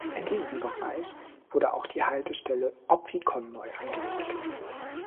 In diesem Bereich wurde auch die Haltestelle Opfikon neu angelegt.